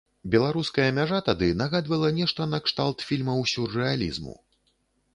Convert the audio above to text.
Беларуская мяжа тады нагадвала нешта накшталт фільмаў сюррэалізму.